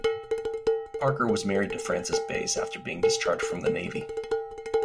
Parker was married to Frances Bass after being discharged from the Navy.